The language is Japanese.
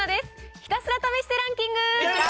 ひたすら試してランキング。